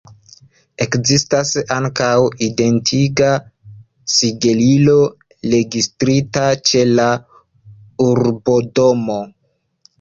Ekzistas ankaŭ identiga sigelilo registrita ĉe la urbodomo.